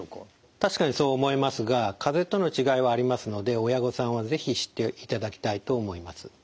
確かにそう思いますがかぜとの違いはありますので親御さんは是非知っていただきたいと思います。